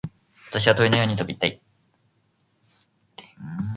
私は鳥のように飛びたい。